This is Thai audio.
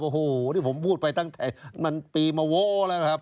โอ้โหนี่ผมพูดไปตั้งแต่มันปีมาโว้แล้วครับ